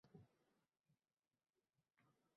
ota-onam endi kvartirali boʻlishganini eslayman.